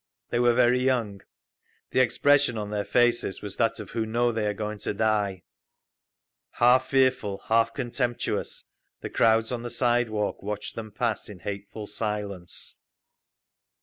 They were very young. The expression on their faces was that of who know they are going to die…. Half fearful, half contemptuous, the crowds on the sidewalk watched them pass, in hateful silence….